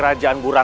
kalau diima saja